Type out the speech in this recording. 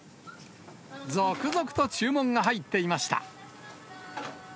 続々と注文が入っていました。